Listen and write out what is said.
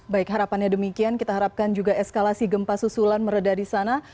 baik harapannya demikian kita harapkan juga eskalasi gempa susulan meredah di sana